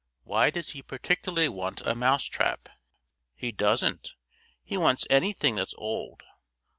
Why does he particularly want a mouse trap?" "He doesn't. He wants anything that's old.